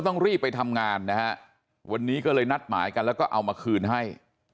ต้องรีบไปทำงานนะฮะวันนี้ก็เลยนัดหมายกันแล้วก็เอามาคืนให้